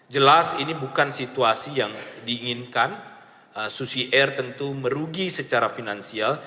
jelas ini bukan situasi yang diinginkan susi air tentu merugi secara finansial